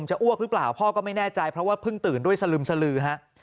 อ้วกหรือเปล่าพ่อก็ไม่แน่ใจเพราะว่าเพิ่งตื่นด้วยสลึมสลือฮะ